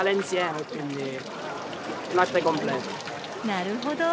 なるほど。